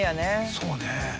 そうね。